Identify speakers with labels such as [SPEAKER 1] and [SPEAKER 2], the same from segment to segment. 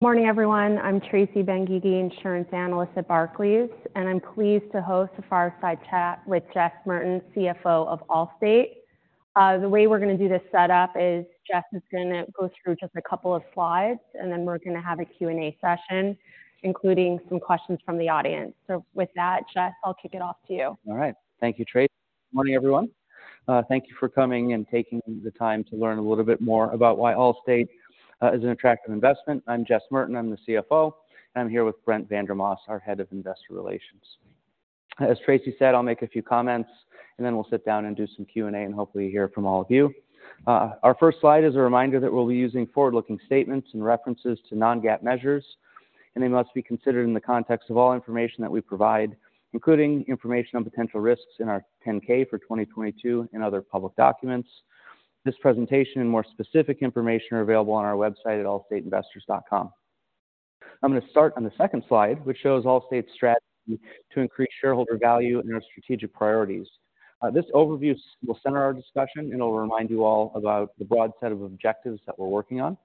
[SPEAKER 1] Morning, everyone. I'm Tracy Dolin-Benguigui, Insurance Analyst at Barclays, and I'm pleased to host a Fireside Chat with Jess Merten, CFO of Allstate. The way we're going to do this setup is Jess is going to go through just a couple of slides, and then we're going to have a Q&A session, including some questions from the audience. With that, Jess, I'll kick it off to you.
[SPEAKER 2] All right. Thank you, Tracy. Morning, everyone. Thank you for coming and taking the time to learn a little bit more about why Allstate is an attractive investment. I'm Jess Merten, I'm the CFO, and I'm here with Brent Vandermause, our Head of Investor Relations. As Tracy said, I'll make a few comments, and then we'll sit down and do some Q&A, and hopefully hear from all of you. Our first slide is a reminder that we'll be using forward-looking statements and references to non-GAAP measures, and they must be considered in the context of all information that we provide, including information on potential risks in our 10-K for 2022 and other public documents. This presentation and more specific information are available on our website at allstateinvestors.com. I'm going to start on the second slide, which shows Allstate's strategy to increase shareholder value and their strategic priorities. This overview will center our discussion, and it'll remind you all about the broad set of objectives that we're working on.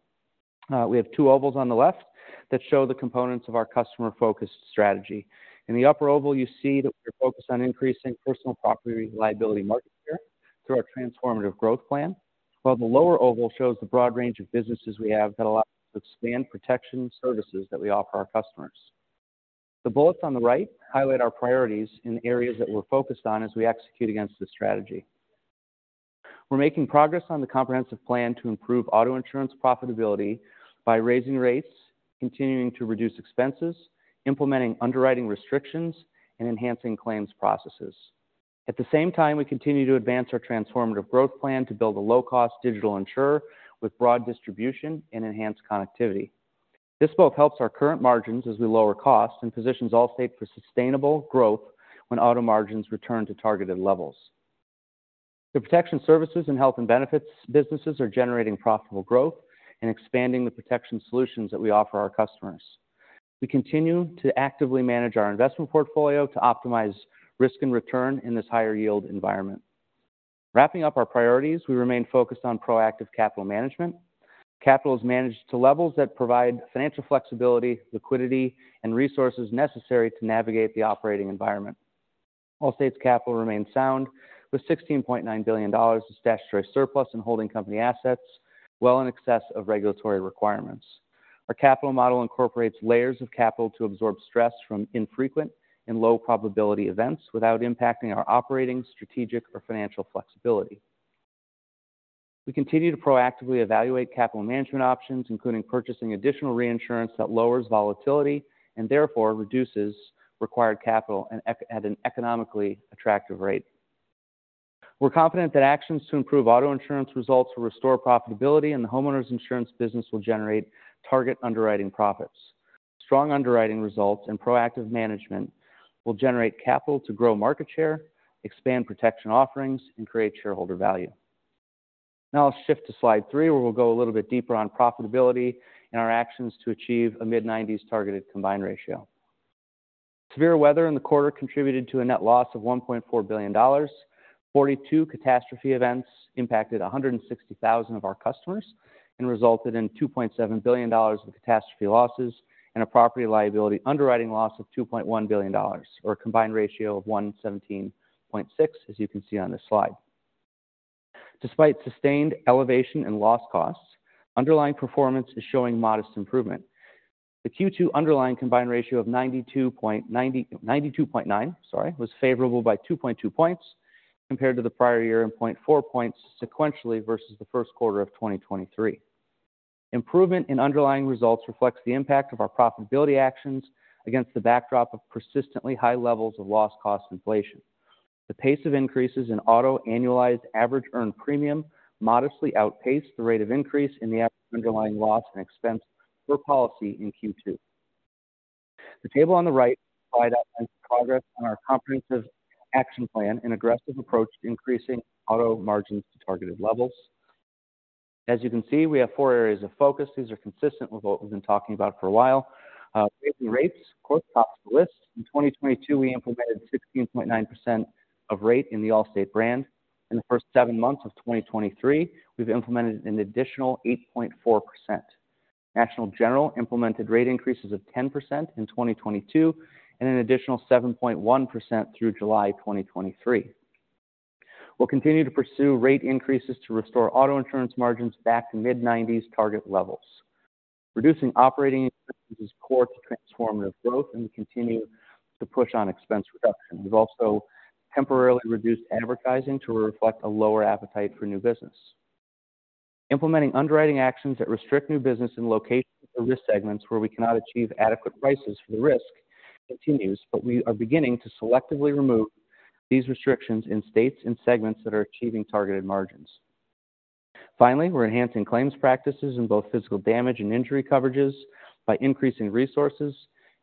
[SPEAKER 2] We have two ovals on the left that show the components of our customer-focused strategy. In the upper oval, you see that we're focused on increasing personal property liability market share through our Transformative Growth plan, while the lower oval shows the broad range of businesses we have that allow us to expand protection services that we offer our customers. The bullets on the right highlight our priorities in areas that we're focused on as we execute against this strategy. We're making progress on the comprehensive plan to improve auto insurance profitability by raising rates, continuing to reduce expenses, implementing underwriting restrictions, and enhancing claims processes. At the same time, we continue to advance our Transformative Growth plan to build a low-cost digital insurer with broad distribution and enhanced connectivity. This both helps our current margins as we lower costs and positions Allstate for sustainable growth when auto margins return to targeted levels. The protection services and health and benefits businesses are generating profitable growth and expanding the protection solutions that we offer our customers. We continue to actively manage our investment portfolio to optimize risk and return in this higher yield environment. Wrapping up our priorities, we remain focused on proactive capital management. Capital is managed to levels that provide financial flexibility, liquidity, and resources necessary to navigate the operating environment. Allstate's capital remains sound, with $16.9 billion of statutory surplus and holding company assets well in excess of regulatory requirements. Our capital model incorporates layers of capital to absorb stress from infrequent and low-probability events without impacting our operating, strategic, or financial flexibility. We continue to proactively evaluate capital management options, including purchasing additional reinsurance that lowers volatility and therefore reduces required capital at an economically attractive rate. We're confident that actions to improve auto insurance results will restore profitability, and the homeowners insurance business will generate target underwriting profits. Strong underwriting results and proactive management will generate capital to grow market share, expand protection offerings, and create shareholder value. Now I'll shift to slide 3, where we'll go a little bit deeper on profitability and our actions to achieve a mid-90s targeted combined ratio. Severe weather in the quarter contributed to a net loss of $1.4 billion. 42 catastrophe events impacted 160,000 of our customers and resulted in $2.7 billion in catastrophe losses and a property liability underwriting loss of $2.1 billion, or a combined ratio of 117.6, as you can see on this slide. Despite sustained elevation in loss costs, underlying performance is showing modest improvement. The Q2 underlying combined ratio of 92.9, sorry, was favorable by 2.2 points compared to the prior year and 0.4 points sequentially versus the first quarter of 2023. Improvement in underlying results reflects the impact of our profitability actions against the backdrop of persistently high levels of loss cost inflation. The pace of increases in auto annualized average earned premium modestly outpaced the rate of increase in the underlying loss and expense per policy in Q2. The table on the right provides progress on our comprehensive action plan and aggressive approach to increasing auto margins to targeted levels. As you can see, we have four areas of focus. These are consistent with what we've been talking about for a while. Rates, of course, tops the list. In 2022, we implemented 16.9% of rate in the Allstate brand. In the first seven months of 2023, we've implemented an additional 8.4%. National General implemented rate increases of 10% in 2022 and an additional 7.1% through July 2023. We'll continue to pursue rate increases to restore auto insurance margins back to mid-90s target levels. Reducing operating expenses is core to transformative growth, and we continue to push on expense reduction. We've also temporarily reduced advertising to reflect a lower appetite for new business. Implementing underwriting actions that restrict new business in locations or risk segments where we cannot achieve adequate prices for the risk continues, but we are beginning to selectively remove these restrictions in states and segments that are achieving targeted margins. Finally, we're enhancing claims practices in both physical damage and injury coverages by increasing resources,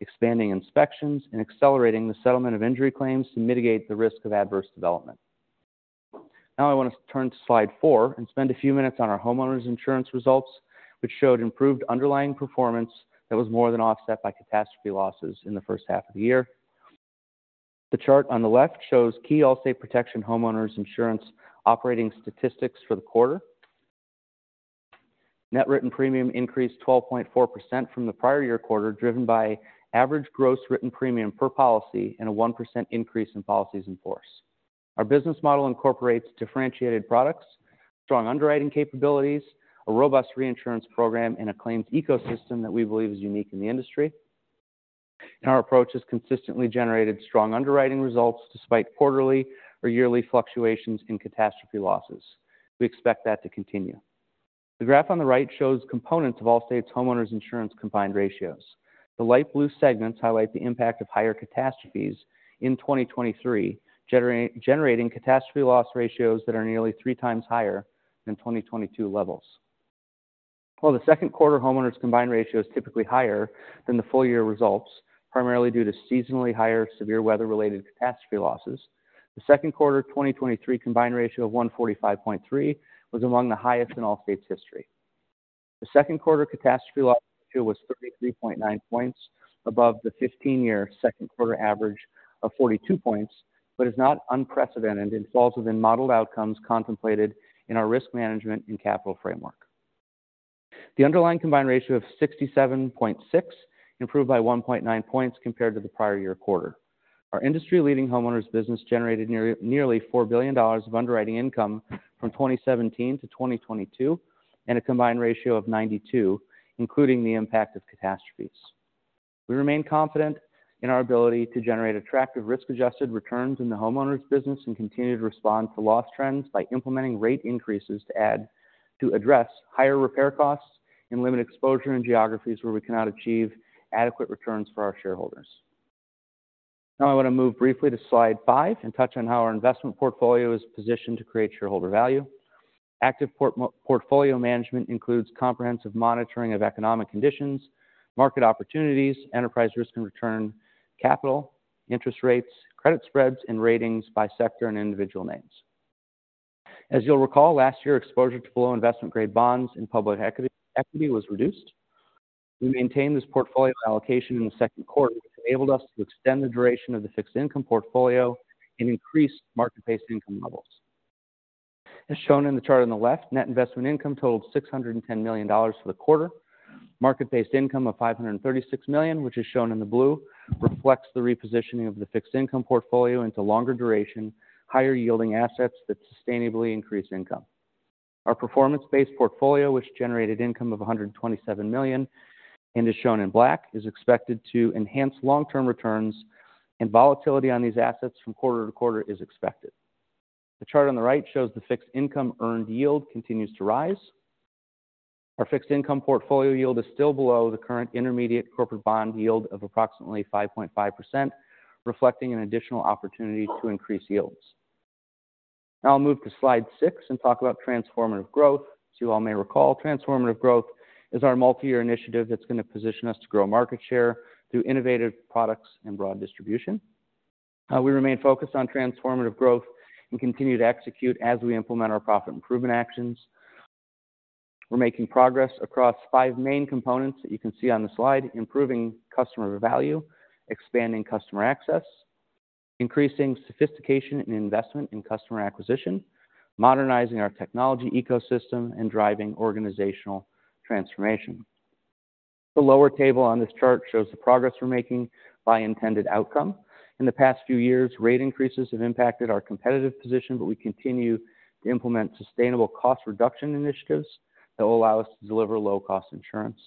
[SPEAKER 2] expanding inspections, and accelerating the settlement of injury claims to mitigate the risk of adverse development. Now, I want to turn to slide four and spend a few minutes on our homeowners insurance results, which showed improved underlying performance that was more than offset by catastrophe losses in the first half of the year. The chart on the left shows key Allstate Protection Homeowners Insurance operating statistics for the quarter. Net written premium increased 12.4% from the prior year quarter, driven by average gross written premium per policy and a 1% increase in policies in force. Our business model incorporates differentiated products, strong underwriting capabilities, a robust reinsurance program, and a claims ecosystem that we believe is unique in the industry. And our approach has consistently generated strong underwriting results, despite quarterly or yearly fluctuations in catastrophe losses. We expect that to continue. The graph on the right shows components of Allstate's homeowners insurance combined ratios. The light blue segments highlight the impact of higher catastrophes in 2023, generating catastrophe loss ratios that are nearly three times higher than 2022 levels. While the second quarter homeowners combined ratio is typically higher than the full year results, primarily due to seasonally higher severe weather-related catastrophe losses, the second quarter 2023 combined ratio of 145.3 was among the highest in Allstate's history. The second quarter catastrophe loss ratio was 33.9 points above the 15-year second quarter average of 42 points, but is not unprecedented and falls within modeled outcomes contemplated in our risk management and capital framework. The underlying combined ratio of 67.6 improved by 1.9 points compared to the prior year quarter. Our industry-leading homeowners business generated nearly $4 billion of underwriting income from 2017 to 2022, and a combined ratio of 92, including the impact of catastrophes. We remain confident in our ability to generate attractive risk-adjusted returns in the homeowners business, and continue to respond to loss trends by implementing rate increases to address higher repair costs and limit exposure in geographies where we cannot achieve adequate returns for our shareholders. Now, I want to move briefly to slide five and touch on how our investment portfolio is positioned to create shareholder value. Active portfolio management includes comprehensive monitoring of economic conditions, market opportunities, enterprise risk and return, capital, interest rates, credit spreads, and ratings by sector and individual names. As you'll recall, last year, exposure to below investment grade bonds and public equity was reduced. We maintained this portfolio allocation in the second quarter, which enabled us to extend the duration of the fixed income portfolio and increase market-based income levels. As shown in the chart on the left, net investment income totaled $610 million for the quarter. Market-based income of $536 million, which is shown in the blue, reflects the repositioning of the fixed income portfolio into longer duration, higher yielding assets that sustainably increase income. Our performance-based portfolio, which generated income of $127 million and is shown in black, is expected to enhance long-term returns, and volatility on these assets from quarter to quarter is expected. The chart on the right shows the fixed income earned yield continues to rise. Our fixed income portfolio yield is still below the current intermediate corporate bond yield of approximately 5.5%, reflecting an additional opportunity to increase yields. Now I'll move to slide six and talk about transformative growth. As you all may recall, transformative growth is our multi-year initiative that's going to position us to grow market share through innovative products and broad distribution. We remain focused on transformative growth and continue to execute as we implement our profit improvement actions. We're making progress across five main components that you can see on the slide: improving customer value, expanding customer access, increasing sophistication and investment in customer acquisition, modernizing our technology ecosystem, and driving organizational transformation. The lower table on this chart shows the progress we're making by intended outcome. In the past few years, rate increases have impacted our competitive position, but we continue to implement sustainable cost reduction initiatives that will allow us to deliver low-cost insurance.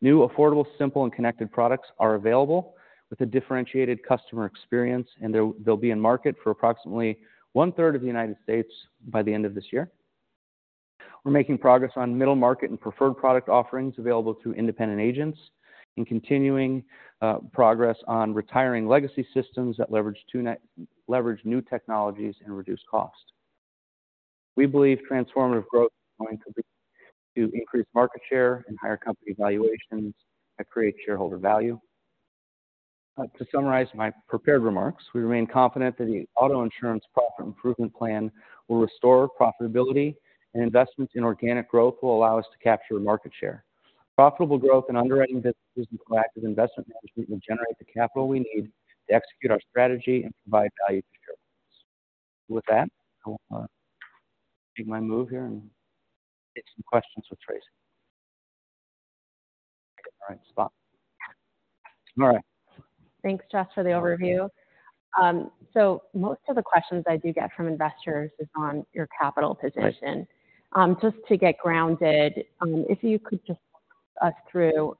[SPEAKER 2] New, affordable, simple, and connected products are available with a differentiated customer experience, and they'll, they'll be in market for approximately one third of the United States by the end of this year. We're making progress on middle market and preferred product offerings available through independent agents and continuing progress on retiring legacy systems that leverage new technologies and reduce cost. We believe transformative growth is going to be to increase market share and higher company valuations that create shareholder value. To summarize my prepared remarks, we remain confident that the auto insurance profit improvement plan will restore profitability, and investments in organic growth will allow us to capture market share. Profitable growth in underwriting businesses and collective investment management will generate the capital we need to execute our strategy and provide value to shareholders. With that, I will make my move here and take some questions with Tracy. All right, stop. All right.
[SPEAKER 1] Thanks, Jess, for the overview. So most of the questions I do get from investors is on your capital position. Just to get grounded, if you could just walk us through,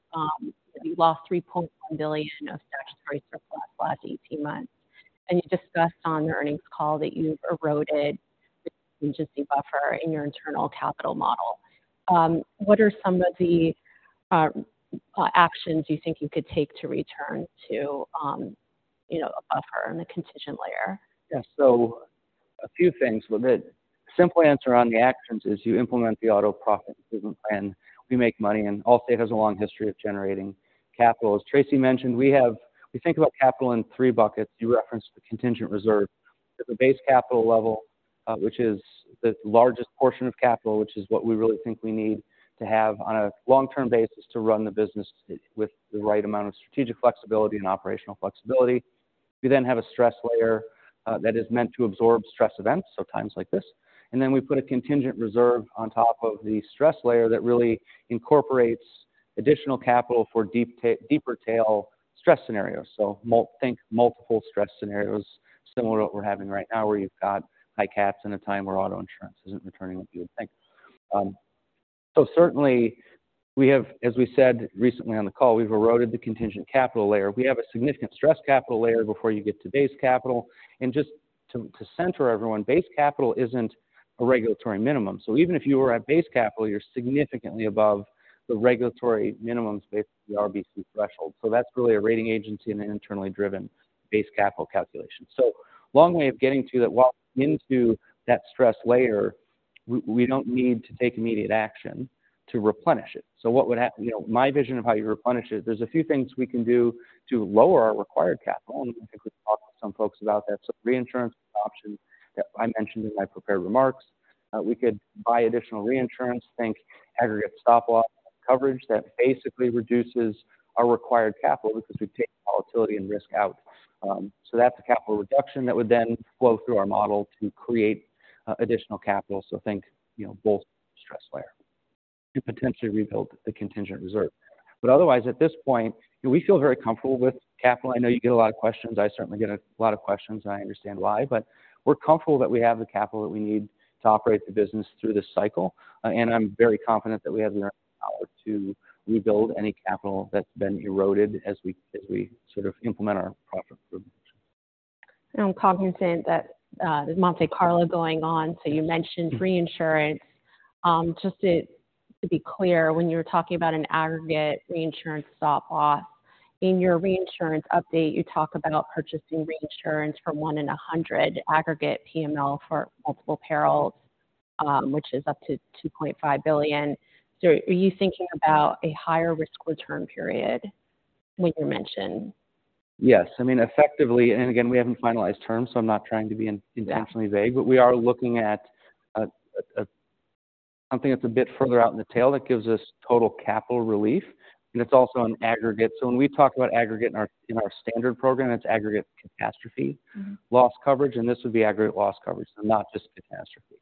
[SPEAKER 1] you lost $3.1 billion of statutory surplus in the last 18 months, and you discussed on the earnings call that you've eroded the agency buffer in your internal capital model. What are some of the actions you think you could take to return to, you know, a buffer in the contingent layer?
[SPEAKER 2] Yes. So a few things, Libby. The simple answer on the actions is you implement the auto profit improvement plan. We make money, and Allstate has a long history of generating capital. As Tracy mentioned, we have—we think about capital in three buckets. You referenced the contingent reserve at the base capital level, which is the largest portion of capital, which is what we really think we need to have on a long-term basis to run the business with the right amount of strategic flexibility and operational flexibility. We then have a stress layer that is meant to absorb stress events, so times like this. And then we put a contingent reserve on top of the stress layer that really incorporates additional capital for deeper tail stress scenarios. So, think multiple stress scenarios, similar to what we're having right now, where you've got high caps in a time where auto insurance isn't returning what you would think. So certainly we have, as we said recently on the call, we've eroded the contingent capital layer. We have a significant stress capital layer before you get to base capital. And just to center everyone, base capital isn't a regulatory minimum. So even if you were at base capital, you're significantly above the regulatory minimums, basically, the RBC threshold. So that's really a rating agency and an internally driven base capital calculation. So long way of getting to that, while into that stress layer, we don't need to take immediate action to replenish it. So what would happen? You know, my vision of how you replenish it, there's a few things we can do to lower our required capital, and I think we've talked to some folks about that. So reinsurance option that I mentioned in my prepared remarks, we could buy additional reinsurance, think aggregate stop loss coverage. That basically reduces our required capital because we've taken volatility and risk out. So that's a capital reduction that would then flow through our model to create additional capital. So think, you know, both stress layer to potentially rebuild the contingent reserve. But otherwise, at this point, we feel very comfortable with capital. I know you get a lot of questions. I certainly get a lot of questions, and I understand why, but we're comfortable that we have the capital that we need to operate the business through this cycle. And I'm very confident that we have enough power to rebuild any capital that's been eroded as we sort of implement our profit improvement.
[SPEAKER 1] I'm cognizant that there's Monte Carlo going on. So you mentioned reinsurance. Just to, to be clear, when you were talking about an aggregate reinsurance stop loss, in your reinsurance update, you talk about purchasing reinsurance from 1 in 100 aggregate PML for multiple perils, which is up to $2.5 billion. So are you thinking about a higher risk return period when you mention?
[SPEAKER 2] Yes. I mean, effectively, and again, we haven't finalized terms, so I'm not trying to be intentionally vague, but we are looking at a something that's a bit further out in the tail that gives us total capital relief, and it's also an aggregate. So when we talk about aggregate in our standard program, that's aggregate catastrophe-
[SPEAKER 1] Mm-hmm.
[SPEAKER 2] -loss coverage, and this would be aggregate loss coverage and not just catastrophe.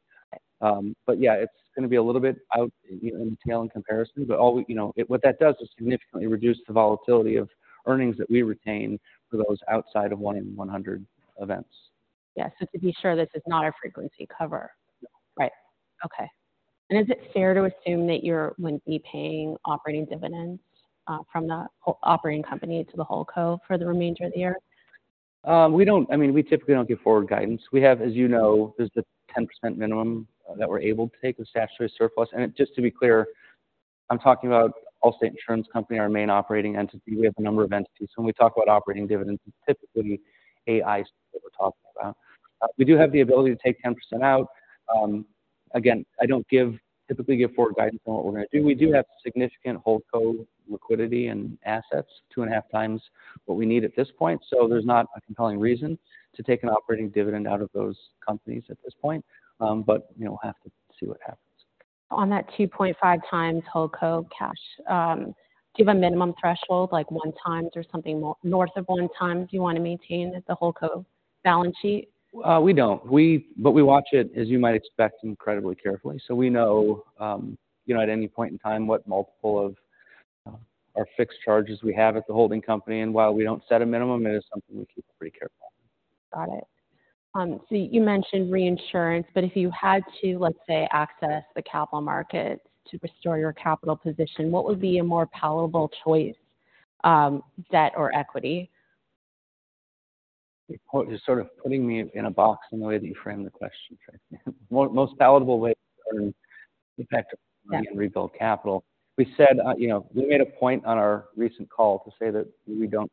[SPEAKER 2] But yeah, it's going to be a little bit out in the tail in comparison. But all we, you know, what that does is significantly reduce the volatility of earnings that we retain for those outside of 1 in 100 events.
[SPEAKER 1] Yes. So to be sure, this is not our frequency cover?
[SPEAKER 2] No.
[SPEAKER 1] Right. Okay. And is it fair to assume that you're going to be paying operating dividends from the operating company to the whole co for the remainder of the year?
[SPEAKER 2] We don't... I mean, we typically don't give forward guidance. We have, as you know, there's the 10% minimum that we're able to take of statutory surplus. And just to be clear, I'm talking about Allstate Insurance Company, our main operating entity. We have a number of entities. So when we talk about operating dividends, it's typically AI that we're talking about. We do have the ability to take 10% out. Again, I don't typically give forward guidance on what we're going to do. We do have significant holdco liquidity and assets, 2.5 times what we need at this point. So there's not a compelling reason to take an operating dividend out of those companies at this point, but, you know, we'll have to see what happens.
[SPEAKER 1] On that 2.5x whole co cash, do you have a minimum threshold, like 1x or something more, north of 1x, you want to maintain at the whole co balance sheet?
[SPEAKER 2] We don't. But we watch it, as you might expect, incredibly carefully. So we know, you know, at any point in time, what multiple of our fixed charges we have at the holding company. And while we don't set a minimum, it is something we keep pretty careful.
[SPEAKER 1] Got it. So you mentioned reinsurance, but if you had to, let's say, access the capital markets to restore your capital position, what would be a more palatable choice, debt or equity?
[SPEAKER 2] You're sort of putting me in a box in the way that you frame the question. Most palatable way to rebuild capital. We said, you know, we made a point on our recent call to say that we don't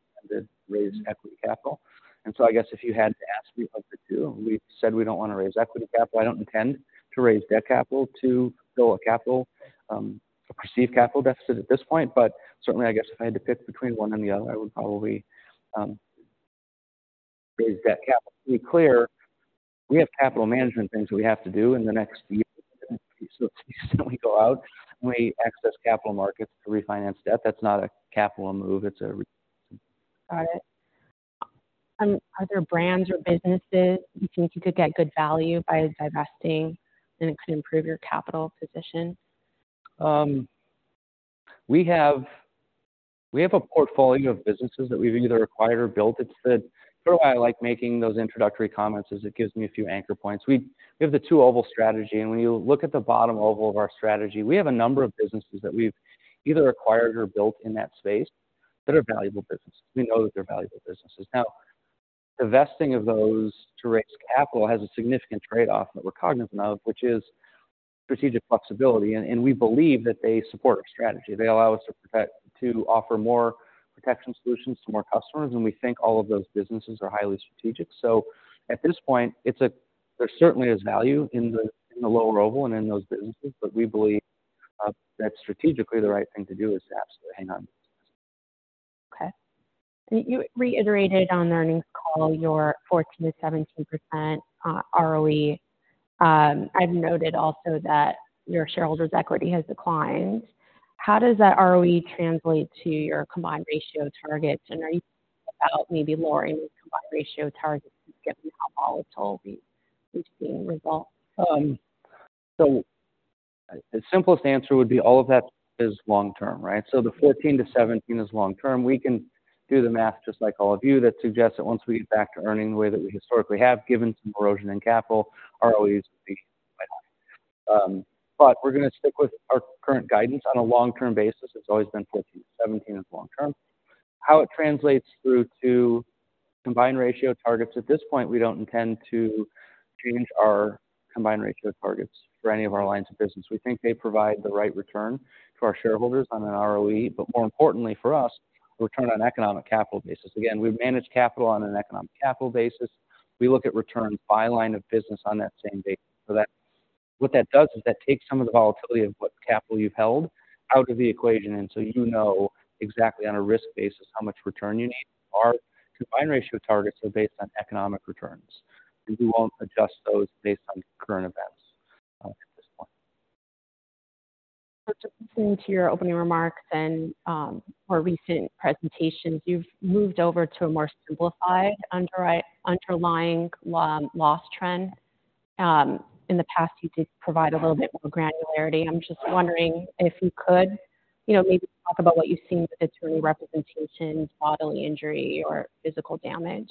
[SPEAKER 2] raise equity capital. And so I guess if you had to ask me of the two, we've said we don't want to raise equity capital. I don't intend to raise debt capital to build a capital, a perceived capital deficit at this point. But certainly, I guess if I had to pick between one and the other, I would probably raise that capital. To be clear, we have capital management things we have to do in the next year. So we go out and we access capital markets to refinance debt. That's not a capital move, it's a-
[SPEAKER 1] Got it. Are there brands or businesses you think you could get good value by divesting, and it could improve your capital position?
[SPEAKER 2] We have a portfolio of businesses that we've either acquired or built. It's the sort of why I like making those introductory comments, is it gives me a few anchor points. We have the 2-oval strategy, and when you look at the bottom oval of our strategy, we have a number of businesses that we've either acquired or built in that space that are valuable businesses. We know that they're valuable businesses. Now, divesting of those to raise capital has a significant trade-off that we're cognizant of, which is strategic flexibility, and we believe that they support our strategy. They allow us to protect, to offer more protection solutions to more customers, and we think all of those businesses are highly strategic. At this point, it's a, there certainly is value in the, in the lower oval and in those businesses, but we believe that strategically, the right thing to do is to absolutely hang on.
[SPEAKER 1] Okay. You reiterated on the earnings call your 14%-17% ROE. I've noted also that your shareholders' equity has declined. How does that ROE translate to your combined ratio target? And are you about maybe lowering the combined ratio target, given how volatile we've seen results?
[SPEAKER 2] The simplest answer would be all of that is long term, right? The 14%-17% is long term. We can do the math just like all of you. That suggests that once we get back to earning the way that we historically have, given some erosion in capital, ROE is the way. But we're going to stick with our current guidance on a long-term basis. It's always been 14%-17% as long term. How it translates through to Combined Ratio targets, at this point, we don't intend to change our Combined Ratio targets for any of our lines of business. We think they provide the right return to our shareholders on an ROE, but more importantly for us, return on economic capital basis. Again, we've managed capital on an economic capital basis. We look at returns by line of business on that same basis. What that does is that takes some of the volatility of what capital you've held out of the equation, and so you know exactly on a risk basis, how much return you need. Our combined ratio targets are based on economic returns, and we won't adjust those based on current events at this point.
[SPEAKER 1] Just listening to your opening remarks and more recent presentations, you've moved over to a more simplified underlying loss trend. In the past, you did provide a little bit more granularity. I'm just wondering if you could, you know, maybe talk about what you've seen with attorney representation, bodily injury, or physical damage.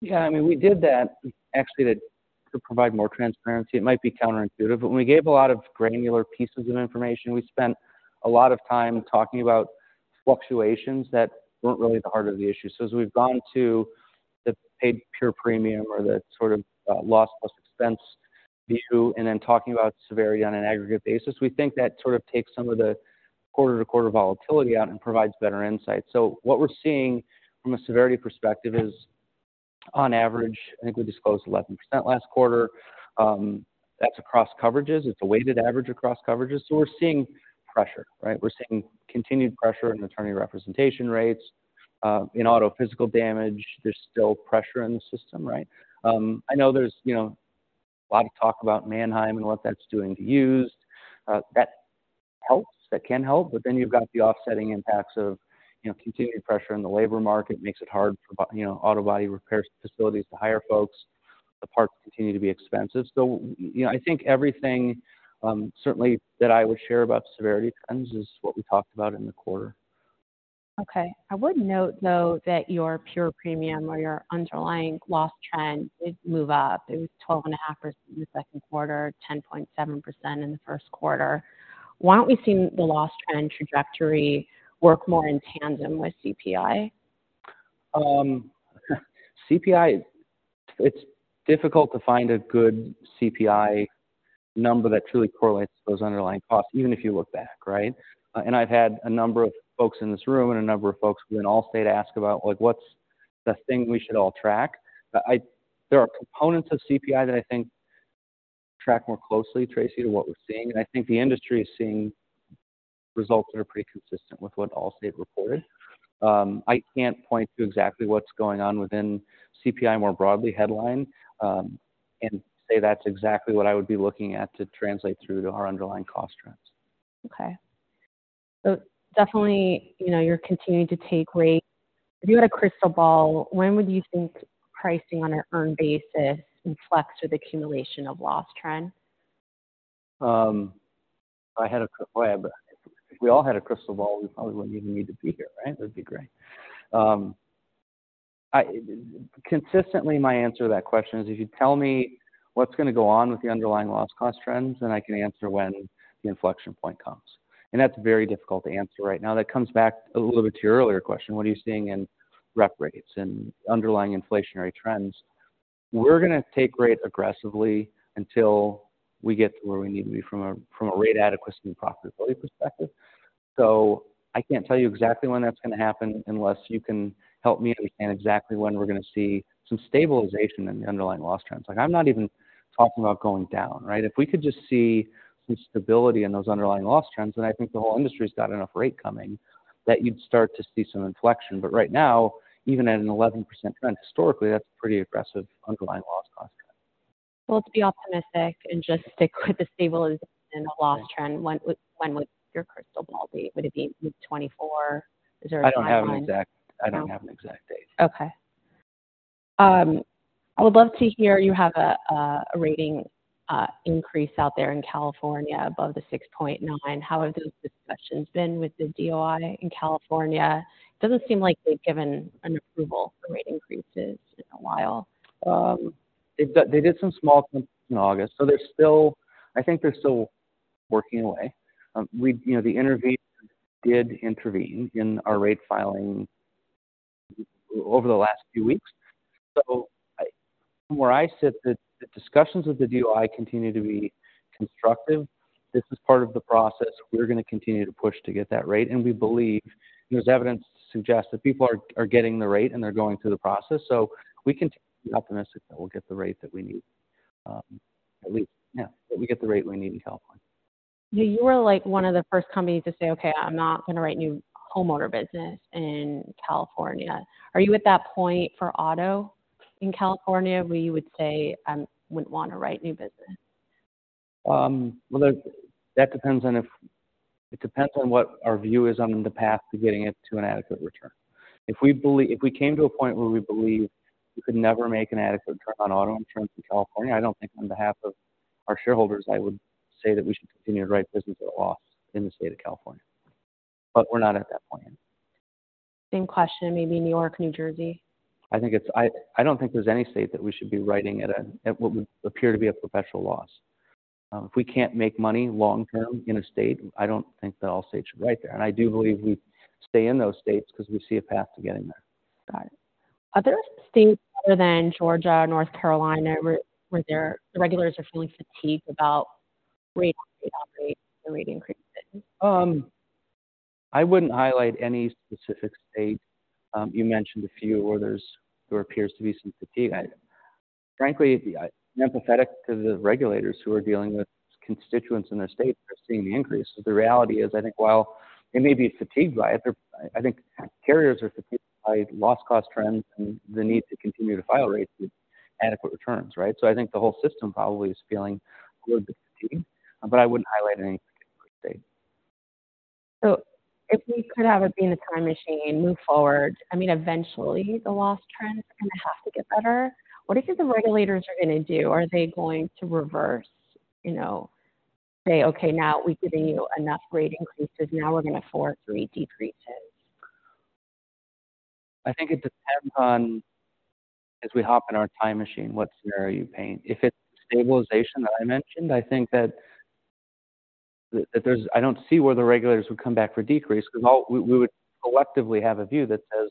[SPEAKER 2] Yeah, I mean, we did that actually, to provide more transparency. It might be counterintuitive, but when we gave a lot of granular pieces of information, we spent a lot of time talking about fluctuations that weren't really the heart of the issue. So as we've gone to the paid pure premium or the sort of loss plus expense view, and then talking about severity on an aggregate basis, we think that sort of takes some of the quarter-to-quarter volatility out and provides better insight. So what we're seeing from a severity perspective is, on average, I think we disclosed 11% last quarter. That's across coverages. It's a weighted average across coverages. So we're seeing pressure, right? We're seeing continued pressure in attorney representation rates. In auto physical damage, there's still pressure in the system, right? I know there's, you know, a lot of talk about Manheim and what that's doing to used. That helps. That can help, but then you've got the offsetting impacts of, you know, continued pressure in the labor market. Makes it hard for, you know, auto body repair facilities to hire folks. The parts continue to be expensive. So, you know, I think everything, certainly that I would share about severity trends is what we talked about in the quarter.
[SPEAKER 1] Okay. I would note, though, that your pure premium or your underlying loss trend did move up. It was 12.5 in the second quarter, 10.7% in the first quarter. Why haven't we seen the loss trend trajectory work more in tandem with CPI?
[SPEAKER 2] CPI, it's difficult to find a good CPI number that truly correlates those underlying costs, even if you look back, right? And I've had a number of folks in this room and a number of folks within Allstate ask about, like, what's the thing we should all track? But I... There are components of CPI that I think track more closely, Tracy, to what we're seeing, and I think the industry is seeing results that are pretty consistent with what Allstate reported. I can't point to exactly what's going on within CPI more broadly headline, and say that's exactly what I would be looking at to translate through to our underlying cost trends.
[SPEAKER 1] Okay. So definitely, you know, you're continuing to take rate. If you had a crystal ball, when would you think pricing on an earned basis reflects with accumulation of loss trend?
[SPEAKER 2] Well, if we all had a crystal ball, we probably wouldn't even need to be here, right? That'd be great. Consistently, my answer to that question is, if you tell me what's going to go on with the underlying loss cost trends, then I can answer when the inflection point comes. And that's very difficult to answer right now. That comes back a little bit to your earlier question, what are you seeing in rep rates and underlying inflationary trends? We're going to take rate aggressively until we get to where we need to be from a rate adequacy and profitability perspective. So I can't tell you exactly when that's going to happen, unless you can help me understand exactly when we're going to see some stabilization in the underlying loss trends. Like, I'm not even talking about going down, right? If we could just see some stability in those underlying loss trends, then I think the whole industry's got enough rate coming that you'd start to see some inflection. But right now, even at an 11% trend, historically, that's pretty aggressive underlying loss cost.
[SPEAKER 1] Well, let's be optimistic and just stick with the stabilization and the loss trend. When would your crystal ball be? Would it be mid-2024? Is there a-
[SPEAKER 2] I don't have an exact date.
[SPEAKER 1] Okay. I would love to hear, you have a rating increase out there in California above the 6.9. How have those discussions been with the DOI in California? It doesn't seem like they've given an approval for rate increases in a while.
[SPEAKER 2] They did some small in August, so they're still, I think they're still working away. We, you know, the intervention did intervene in our rate filing over the last few weeks. So from where I sit, the discussions with the DOI continue to be constructive. This is part of the process, we're going to continue to push to get that rate, and we believe there's evidence to suggest that people are getting the rate and they're going through the process. So we can be optimistic that we'll get the rate that we need. At least that we get the rate we need in California....
[SPEAKER 1] You were like one of the first companies to say, okay, I'm not going to write new homeowner business in California. Are you at that point for auto in California, where you would say, I wouldn't want to write new business?
[SPEAKER 2] Well, that depends on what our view is on the path to getting it to an adequate return. If we came to a point where we believe we could never make an adequate return on auto insurance in California, I don't think on behalf of our shareholders, I would say that we should continue to write business at a loss in the state of California. But we're not at that point.
[SPEAKER 1] Same question. Maybe New York, New Jersey.
[SPEAKER 2] I think it's. I don't think there's any state that we should be writing at what would appear to be a professional loss. If we can't make money long term in a state, I don't think that Allstate should write there. And I do believe we stay in those states because we see a path to getting there.
[SPEAKER 1] Got it. Are there states other than Georgia, North Carolina, where their regulators are feeling fatigued about the rate increases?
[SPEAKER 2] I wouldn't highlight any specific state. You mentioned a few where there's, there appears to be some fatigue. I, frankly, I'm empathetic to the regulators who are dealing with constituents in their state who are seeing the increase. So the reality is, I think while they may be fatigued by it, I think carriers are fatigued by loss cost trends and the need to continue to file rates with adequate returns, right? So I think the whole system probably is feeling a little bit fatigued, but I wouldn't highlight any specific state.
[SPEAKER 1] So if we could have, in a time machine, move forward, I mean, eventually the loss trends are going to have to get better. What do you think the regulators are going to do? Are they going to reverse, you know, say, okay, now we've given you enough rate increases, now we're going to force three decreases?
[SPEAKER 2] I think it depends on, as we hop in our time machine, what scenario you paint. If it's stabilization that I mentioned, I think that there's. I don't see where the regulators would come back for a decrease, because we would collectively have a view that says,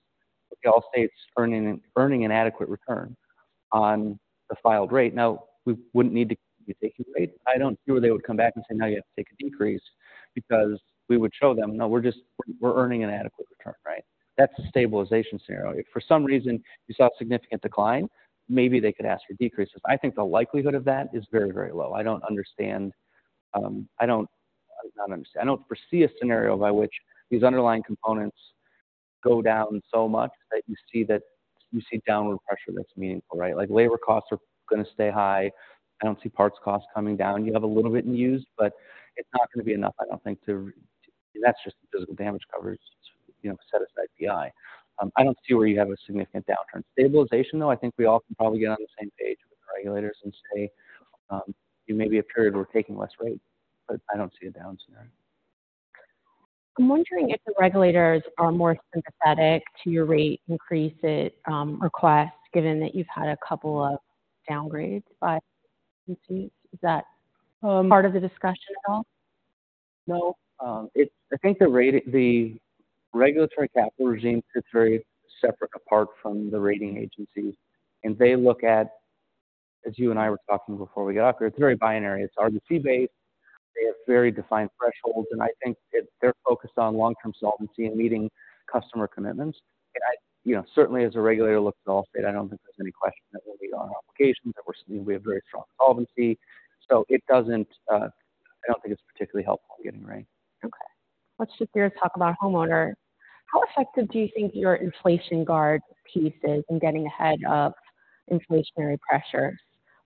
[SPEAKER 2] Allstate's earning an adequate return on the filed rate. Now, we wouldn't need to be taking rates. I don't see where they would come back and say, now you have to take a decrease, because we would show them, no, we're just earning an adequate return, right? That's a stabilization scenario. If for some reason you saw a significant decline, maybe they could ask for decreases. I think the likelihood of that is very, very low. I don't understand. I don't understand. I don't foresee a scenario by which these underlying components go down so much that you see that, you see downward pressure that's meaningful, right? Like labor costs are going to stay high. I don't see parts costs coming down. You have a little bit in used, but it's not going to be enough, I don't think, to- that's just the physical damage coverage, you know, to satisfy PI. I don't see where you have a significant downturn. Stabilization, though, I think we all can probably get on the same page with the regulators and say, you may be a period where we're taking less rate, but I don't see a down scenario.
[SPEAKER 1] I'm wondering if the regulators are more sympathetic to your rate increase request, given that you've had a couple of downgrades by agencies. Is that part of the discussion at all?
[SPEAKER 2] No. It's, I think the rate, the regulatory capital regime sits very separate apart from the rating agencies. And they look at, as you and I were talking before we got here, it's very binary. It's RBC based. They have very defined thresholds, and I think they're focused on long-term solvency and meeting customer commitments. I, you know, certainly as a regulator looks at Allstate, I don't think there's any question that we meet our obligations, that we're, we have very strong solvency. So it doesn't, I don't think it's particularly helpful getting rate.
[SPEAKER 1] Okay, let's just talk about homeowner. How effective do you think your inflation guard piece is in getting ahead of inflationary pressures?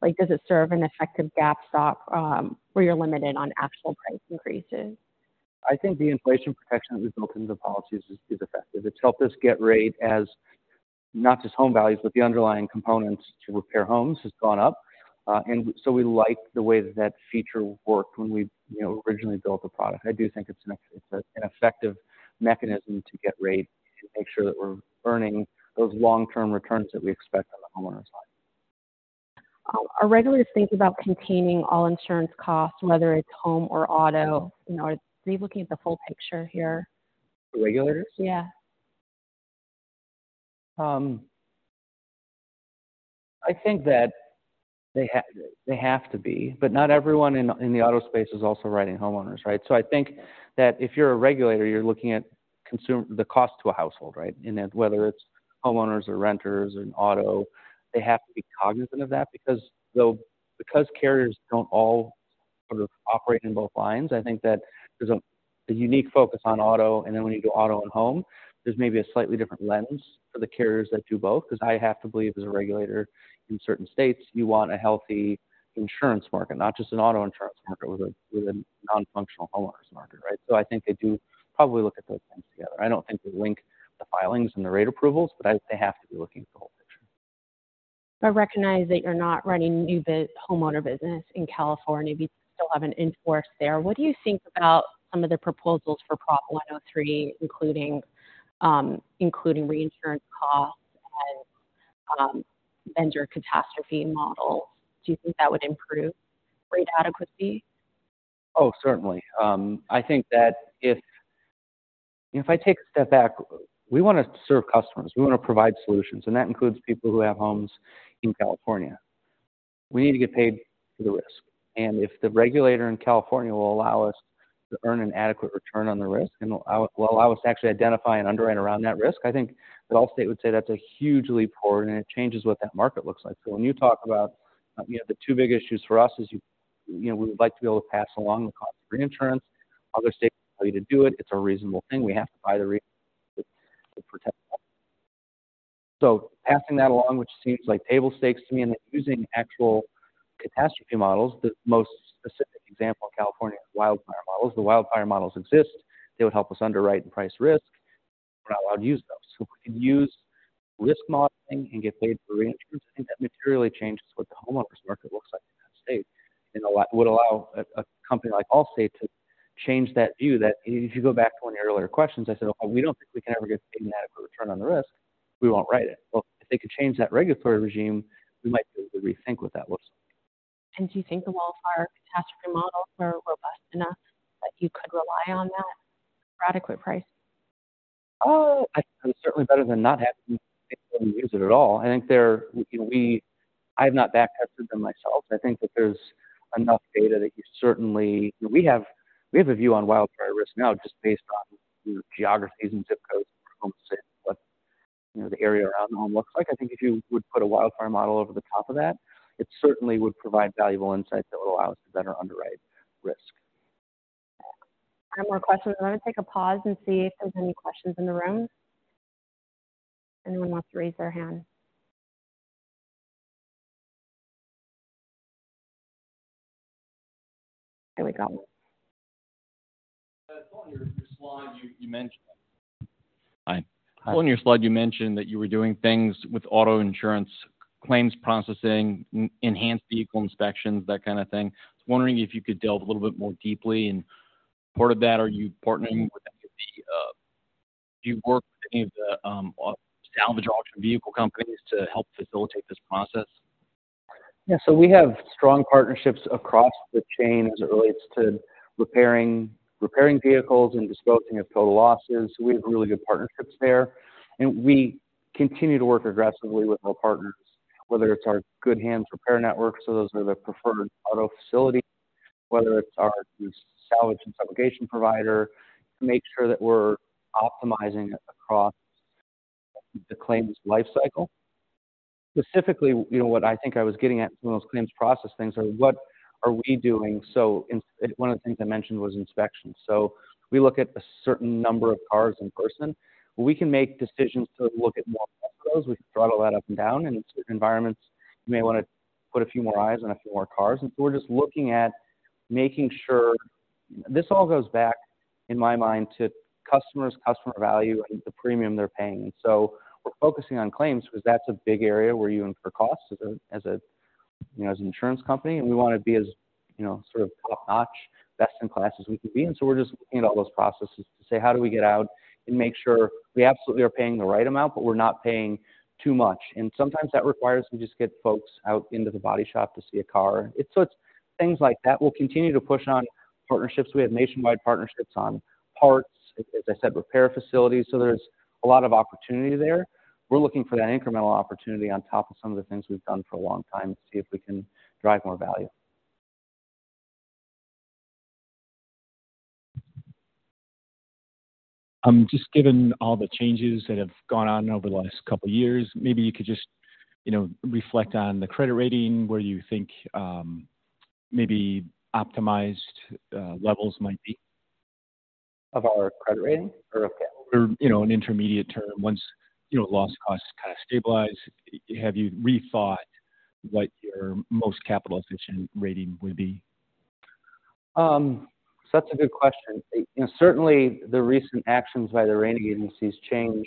[SPEAKER 1] Like, does it serve an effective stopgap, where you're limited on actual price increases?
[SPEAKER 2] I think the inflation protection that we've built into the policies is effective. It's helped us get rate as not just home values, but the underlying components to repair homes has gone up. And so we like the way that feature worked when we, you know, originally built the product. I do think it's an effective mechanism to get rate to make sure that we're earning those long-term returns that we expect on the homeowner side.
[SPEAKER 1] Are regulators thinking about containing all insurance costs, whether it's home or auto? You know, are they looking at the full picture here?
[SPEAKER 2] The regulators?
[SPEAKER 1] Yeah.
[SPEAKER 2] I think that they have to be, but not everyone in the auto space is also writing homeowners, right? So I think that if you're a regulator, you're looking at consumer, the cost to a household, right? And whether it's homeowners or renters or auto, they have to be cognizant of that because carriers don't all sort of operate in both lines, I think that there's a unique focus on auto, and then when you do auto and home, there's maybe a slightly different lens for the carriers that do both. Because I have to believe as a regulator in certain states, you want a healthy insurance market, not just an auto insurance market with a non-functional homeowners market, right? So I think they do probably look at those things together. I don't think they link the filings and the rate approvals, but they have to be looking at the whole picture.
[SPEAKER 1] I recognize that you're not running new biz, homeowner business in California, but you still have an in-force there. What do you think about some of the proposals for Prop 103, including reinsurance costs and vendor catastrophe models? Do you think that would improve rate adequacy?
[SPEAKER 2] Oh, certainly. I think that if I take a step back, we want to serve customers, we want to provide solutions, and that includes people who have homes in California. We need to get paid for the risk. And if the regulator in California will allow us to earn an adequate return on the risk, and allow us to actually identify and underwrite around that risk, I think Allstate would say that's a huge leap forward, and it changes what that market looks like. So when you talk about, you know, the two big issues for us is, you know, we would like to be able to pass along the cost of reinsurance. Other states tell you to do it. It's a reasonable thing. We have to buy the re- to protect. So passing that along, which seems like table stakes to me, and then using actual catastrophe models, the most specific example in California is wildfire models. The wildfire models exist. They would help us underwrite and price risk. We're not allowed to use those. So if we can use risk modeling and get paid for reinsurance, I think that materially changes what the homeowners market looks like in that state. And would allow a company like Allstate to change that view that if you go back to one of your earlier questions, I said, "Oh, we don't think we can ever get an adequate return on the risk. We won't write it." Well, if they could change that regulatory regime, we might be able to rethink what that looks like.
[SPEAKER 1] Do you think the wildfire catastrophe models are robust enough that you could rely on that for adequate price?
[SPEAKER 2] Oh, I think certainly better than not having to use it at all. I think there, I've not back-tested them myself. I think that there's enough data that you certainly... We have a view on wildfire risk now, just based on the geographies and zip codes, but you know, the area around the home looks like. I think if you would put a wildfire model over the top of that, it certainly would provide valuable insight that would allow us to better underwrite risk.
[SPEAKER 1] One more question. I'm going to take a pause and see if there's any questions in the room. Anyone wants to raise their hand? Here we go.
[SPEAKER 3] On your slide, you mentioned. Hi.
[SPEAKER 2] Hi.
[SPEAKER 3] On your slide, you mentioned that you were doing things with auto insurance, claims processing, enhanced vehicle inspections, that kind of thing. I was wondering if you could delve a little bit more deeply, and part of that, are you partnering with any of the, do you work with any of the, salvage auction vehicle companies to help facilitate this process?
[SPEAKER 2] Yeah, so we have strong partnerships across the chain as it relates to repairing, repairing vehicles and disposing of total losses. We have really good partnerships there, and we continue to work aggressively with our partners, whether it's our Good Hands Repair Network, so those are the preferred auto facilities, whether it's our salvage and subrogation provider, to make sure that we're optimizing across the claims life cycle. Specifically, you know, what I think I was getting at some of those claims process things are what are we doing? So in—one of the things I mentioned was inspection. So we look at a certain number of cars in person. We can make decisions to look at more cars. We can throttle that up and down, and in certain environments, you may want to put a few more eyes on a few more cars. We're just looking at making sure... This all goes back, in my mind, to customers, customer value, and the premium they're paying. So we're focusing on claims because that's a big area where you incur costs as a, you know, as an insurance company, and we want to be as, you know, sort of top-notch, best in class as we can be. And so we're just looking at all those processes to say: How do we get out and make sure we absolutely are paying the right amount, but we're not paying too much? And sometimes that requires we just get folks out into the body shop to see a car. It's things like that. We'll continue to push on partnerships. We have nationwide partnerships on parts, as I said, repair facilities, so there's a lot of opportunity there. We're looking for that incremental opportunity on top of some of the things we've done for a long time to see if we can drive more value.
[SPEAKER 4] Just given all the changes that have gone on over the last couple of years, maybe you could just, you know, reflect on the credit rating, where you think, maybe optimized levels might be?
[SPEAKER 2] Of our credit rating?
[SPEAKER 4] Or, you know, an intermediate term once, you know, loss costs kind of stabilize, have you rethought what your most capital efficient rating would be?
[SPEAKER 2] That's a good question. And certainly, the recent actions by the rating agencies change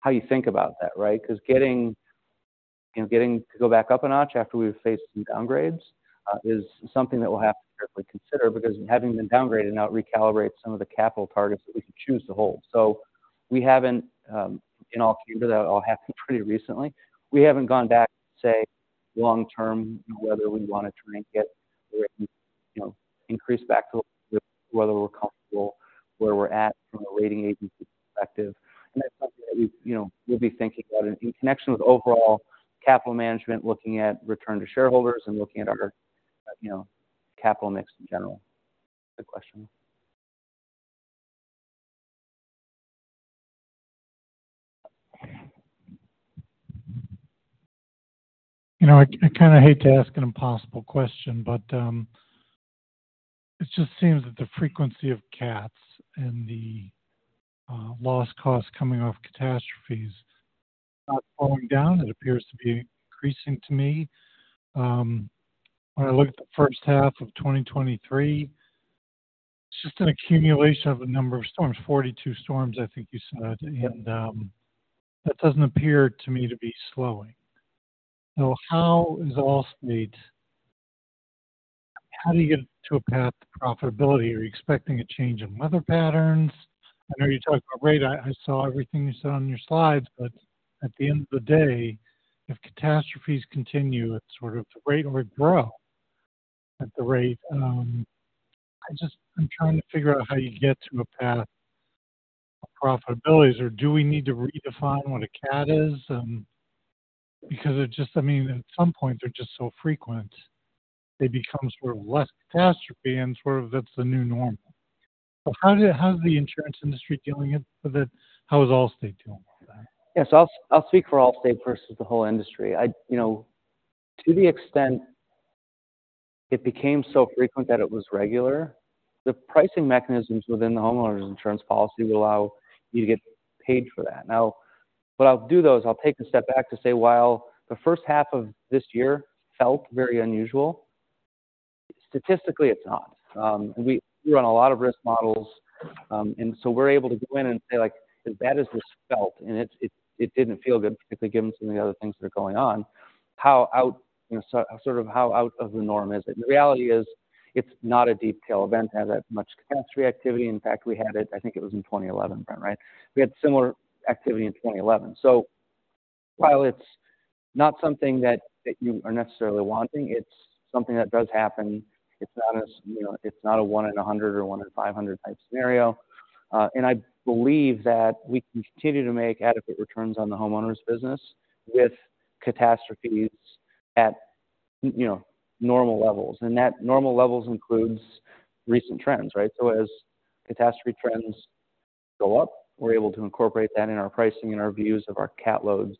[SPEAKER 2] how you think about that, right? Because getting, you know, getting to go back up a notch after we've faced some downgrades, is something that we'll have to carefully consider, because having been downgraded, now it recalibrates some of the capital targets that we can choose to hold. So we haven't, in all fairness, that all happened pretty recently. We haven't gone back to say, long term, whether we want to try and get, you know, increased back to whether we're comfortable where we're at from a rating agency perspective. And that's something that, you know, we'll be thinking about in connection with overall capital management, looking at return to shareholders and looking at our, you know, capital mix in general. Good question.
[SPEAKER 5] You know, I kind of hate to ask an impossible question, but it just seems that the frequency of cats and the loss cost coming off catastrophes is not falling down. It appears to be increasing to me. When I look at the first half of 2023, it's just an accumulation of a number of storms, 42 storms, I think you said, and that doesn't appear to me to be slowing. So how is Allstate—how do you get to a path to profitability? Are you expecting a change in weather patterns? I know you talked about rate. I saw everything you said on your slides, but at the end of the day, if catastrophes continue at sort of the rate or grow at the rate, I just, I'm trying to figure out how you get to a path to-... profitabilities, or do we need to redefine what a cat is? Because it just, I mean, at some point, they're just so frequent it becomes sort of less catastrophe and sort of that's the new normal. So how is the insurance industry dealing with it? How is Allstate dealing with that?
[SPEAKER 2] Yes, I'll speak for Allstate versus the whole industry. I, you know, to the extent it became so frequent that it was regular, the pricing mechanisms within the homeowners insurance policy will allow you to get paid for that. Now, but I'll do those, I'll take a step back to say, while the first half of this year felt very unusual, statistically, it's not. We run a lot of risk models, and so we're able to go in and say, like, as bad as this felt, and it didn't feel good, particularly given some of the other things that are going on, how out, you know, sort of how out of the norm is it? The reality is, it's not a detailed event to have that much catastrophe activity. In fact, we had it I think it was in 2011, right? We had similar activity in 2011. So while it's not something that you are necessarily wanting, it's something that does happen. It's not as, you know, it's not a one in a 100 or one in 500 type scenario. And I believe that we can continue to make adequate returns on the homeowners business with catastrophes at, you know, normal levels. And that normal levels includes recent trends, right? So as catastrophe trends go up, we're able to incorporate that in our pricing and our views of our cat loads.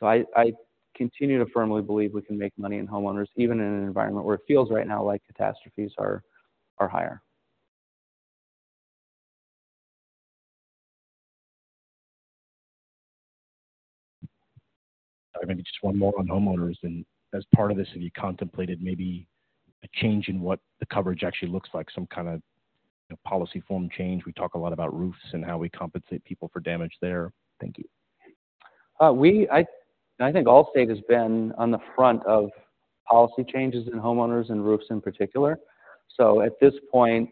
[SPEAKER 2] So I continue to firmly believe we can make money in homeowners, even in an environment where it feels right now like catastrophes are higher.
[SPEAKER 6] Maybe just one more on homeowners then. As part of this, have you contemplated maybe a change in what the coverage actually looks like, some kind of policy form change? We talk a lot about roofs and how we compensate people for damage there. Thank you.
[SPEAKER 2] I think Allstate has been on the front of policy changes in homeowners and roofs in particular. So at this point,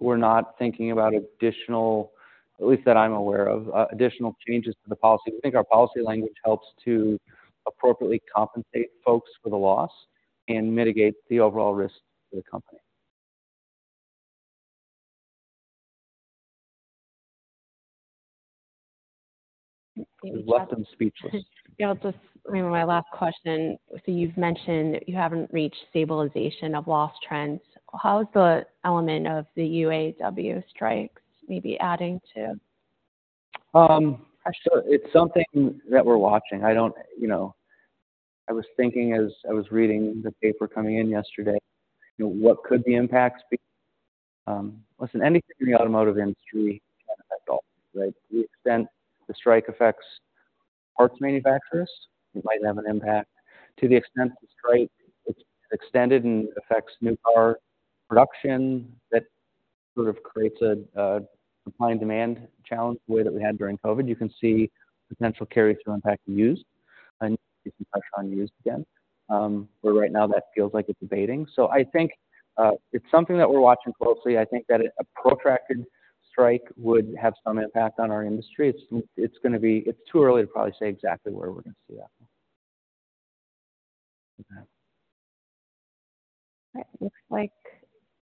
[SPEAKER 2] we're not thinking about additional, at least that I'm aware of, additional changes to the policy. We think our policy language helps to appropriately compensate folks for the loss and mitigate the overall risk to the company.
[SPEAKER 6] Less than speechless.
[SPEAKER 1] Yeah, just my last question. So you've mentioned you haven't reached stabilization of loss trends. How is the element of the UAW strikes maybe adding to?
[SPEAKER 2] So it's something that we're watching. I don't... You know, I was thinking as I was reading the paper coming in yesterday, you know, what could the impacts be? Listen, anything in the automotive industry can affect all, right? The extent the strike affects parts manufacturers, it might have an impact. To the extent the strike is extended and affects new car production, that sort of creates a supply and demand challenge the way that we had during COVID. You can see potential carry-through impact to used and pressure on used again. But right now that feels like it's abating. So I think, it's something that we're watching closely. I think that a protracted strike would have some impact on our industry. It's going to be too early to probably say exactly where we're going to see that.
[SPEAKER 1] It looks like,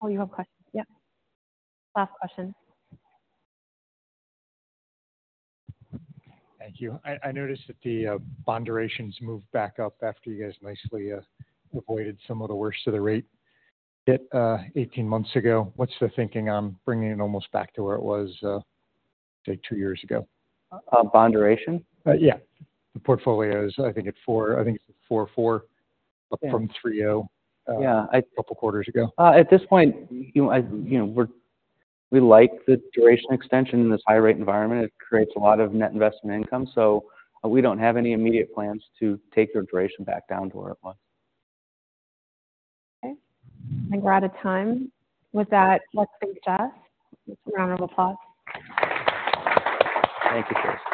[SPEAKER 1] oh, you have questions. Yeah. Last question.
[SPEAKER 5] Thank you. I noticed that the bond durations moved back up after you guys nicely avoided some of the worst of the rate hit 18 months ago. What's the thinking on bringing it almost back to where it was, say, two years ago?
[SPEAKER 2] Bond duration?
[SPEAKER 5] Yeah. The portfolios, I think it's 4. I think it's 44 from 30-
[SPEAKER 2] Yeah.
[SPEAKER 5] a couple quarters ago.
[SPEAKER 2] At this point, you know, I, you know, we're, we like the duration extension in this high-rate environment. It creates a lot of net investment income, so we don't have any immediate plans to take the duration back down to where it was.
[SPEAKER 1] Okay, I think we're out of time. With that, let's thank Jess. Let's give a round of applause.
[SPEAKER 2] Thank you, Chris.